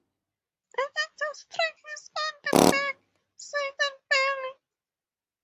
The doctor strikes him on the back, sides, and belly.